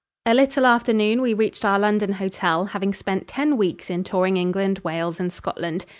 A little after noon we reached our London hotel, having spent ten weeks in touring England, Wales and Scotland.